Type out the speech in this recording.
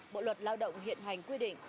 bộ luật lao động hiện hành quy định